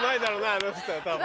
あの人は多分。